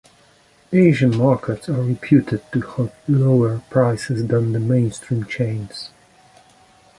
Asian markets are reputed to have lower prices than the mainstream chains.